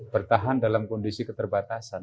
bertahan dalam kondisi keterbatasan